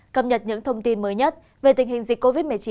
cập nhật những thông tin mới nhất về tình hình dịch covid một mươi chín